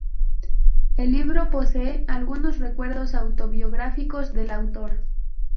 El libro posee algunos recuerdos autobiográficos del autor.